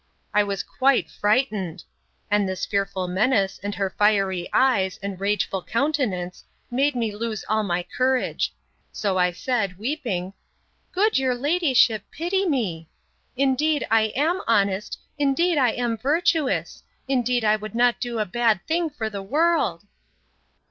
I was quite frightened!—And this fearful menace, and her fiery eyes, and rageful countenance, made me lose all my courage.—So I said, weeping, Good your ladyship, pity me!—Indeed I am honest; indeed I am virtuous; indeed I would not do a bad thing for the world!